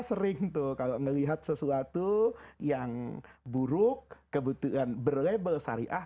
sering tuh kalau melihat sesuatu yang buruk kebetulan berlabel syariah